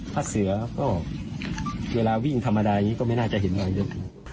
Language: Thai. เสือก็เวลาวิ่งธรรมดาอย่างนี้ก็ไม่น่าจะเห็นรอยยก